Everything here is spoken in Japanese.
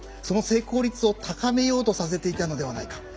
その成功率を高めようとさせていたのではないか。